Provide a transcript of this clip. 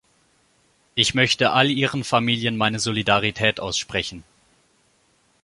Ich möchte all ihren Familien meine Solidarität aussprechen.